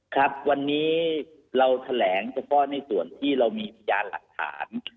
ครับวันนี้เราแถลงเฉพาะในส่วนที่เรามีพยานหลักฐาน